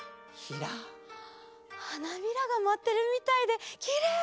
はなびらがまってるみたいできれい！